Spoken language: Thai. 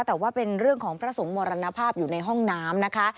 แต่ว่าเป็นเรื่องของพระสงฆ์มรณภาพอยู่ในห้องน้ำนะคะ